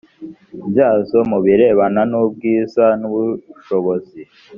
byazo mu birebana n ubwiza n ubushobozi